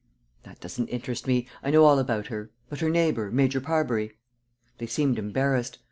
"That doesn't interest me. I know all about her. But her neighbor, Major Parbury?" They seemed embarrassed.